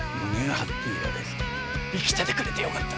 生きててくれてよかった。